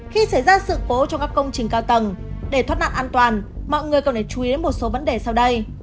khi xảy ra sự cố trong các công trình cao tầng để thoát nạn an toàn mọi người cần phải chú ý một số vấn đề sau đây